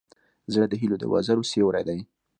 زړه د هيلو د وزرو سیوری دی.